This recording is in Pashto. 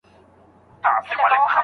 محیط د ژوند لپاره اړین دی.